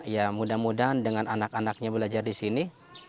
ya mudah mudahan dengan anak anaknya belajar di sini